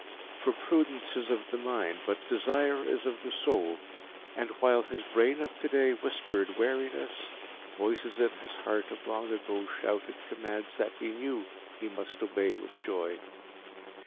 For prudence is of the mind, but desire is of the soul, and while his brain of to day whispered wariness, voices in his heart of long ago shouted commands that he knew he must obey with joy.